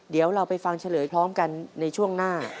เดี๋ยวเราไปฟังเฉลยพร้อมกันในช่วงหน้า